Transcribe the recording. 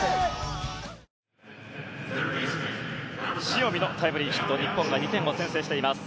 塩見のタイムリーヒットで日本が２点を先制しています。